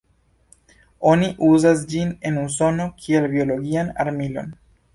Oni uzas ĝin en Usono kiel biologian armilon.